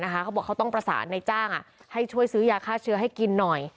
เขาบอกเขาต้องประสานในจ้างให้ช่วยซื้อยาฆ่าเชื้อให้กินหน่อย